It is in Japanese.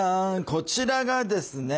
こちらがですね